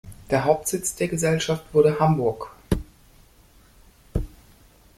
Der Hauptsitz der Gesellschaft wurde Hamburg.